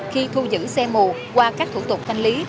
khi thu giữ xe mù qua các thủ tục thanh lý